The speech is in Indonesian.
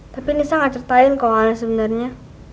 tapi nisa gak ceritain kalau halnya sebenarnya